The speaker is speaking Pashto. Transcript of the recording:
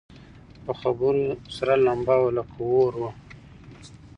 په خبرو سره لمبه وه لکه اور وه